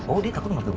oh dia takut martil gue